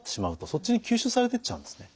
そっちに吸収されていっちゃうんですね。